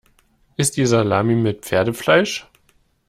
Ist die Salami mit Pferdefleisch?